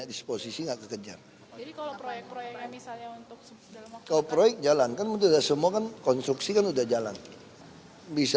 dipastikan tetap berjalan sesuai rencana